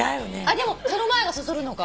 でもその前がそそるのか。